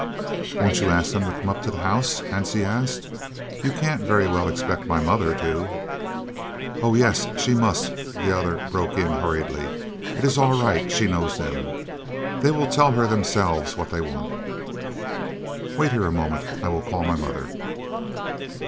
"Won't you ask them to come up to the house?" Hansie asked. "You can't very well expect my mother to " "Oh yes, she must," the other broke in hurriedly; "it is all right she knows them. They will tell her themselves what they want." "Wait here a moment. I will call my mother."